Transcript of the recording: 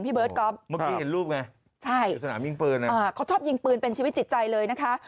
พี่เบิร์ดก็เมื่อกี้เห็นรูปไงเค้าชอบยิงปืนเป็นชีวิตจิตใจเลยนะคะ